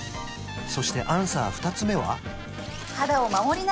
そしてアンサー２つ目は？